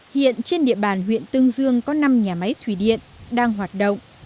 hiện trên địa bàn huyện tương dương có năm nhà máy thủy điện đang hoạt động